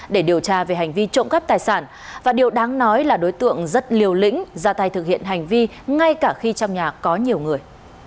để điều tra về hành vi trộm cắp tài sản và điều đáng nói là đối tượng rất liều lĩnh ra tay thực hiện hành vi ngay cả khi trong nhà có nhiều người